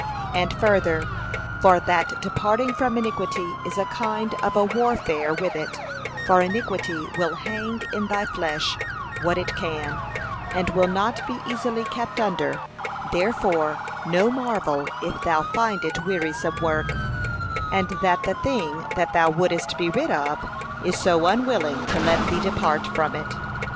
And further, for that departing from iniquity is a kind of a warfare with it, for iniquity will hang in thy flesh what it can, and will not be easily kept under; therefore no marvel if thou find it wearisome work, and that the thing that thou wouldest be rid of, is so unwilling to let thee depart from it.